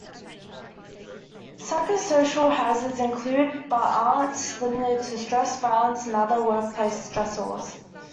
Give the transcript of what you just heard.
Psychosocial hazards include but aren't limited to stress, violence and other workplace stressors.